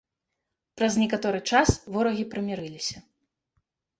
Праз некаторы час ворагі прымірыліся.